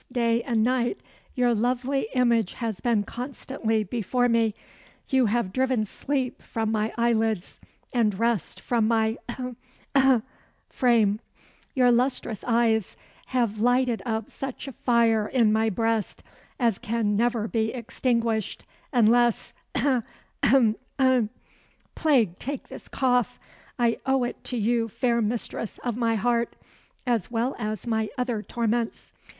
Day and night your lovely image has been constantly before me. You have driven sleep from my eyelids, and rest from my (ough! ough!) frame. Your lustrous eyes have lighted up such a fire in my breast as can never be extinguished, unless (ough! ough! ough!) plague take this cough! I owe it to you, fair mistress of my heart, as well as my other torments.